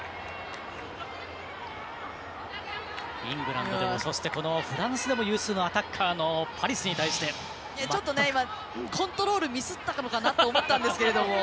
イングランドでもフランスでも有数のアタッカーの今コントロールミスったのかなと思ったんですけれども。